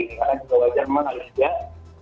kita kan juga wajar memang harus lihat